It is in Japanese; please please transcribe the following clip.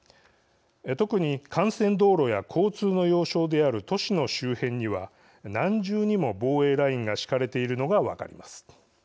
特に、幹線道路や交通の要衝である都市の周辺には何重にも防衛ラインが敷かれているのが分かります。